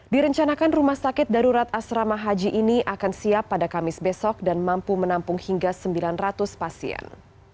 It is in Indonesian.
direncanakan rumah sakit darurat asrama haji ini akan siap pada kamis besok dan mampu menampung hingga sembilan ratus pasien